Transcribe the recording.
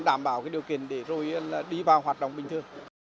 đảm bảo cái điều kiện để rồi đi vào hoạt động bình thường